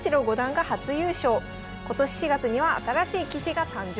今年４月には新しい棋士が誕生。